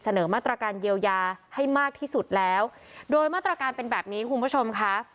มาตรการเยียวยาให้มากที่สุดแล้วโดยมาตรการเป็นแบบนี้คุณผู้ชมค่ะ